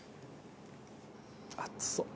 熱そう。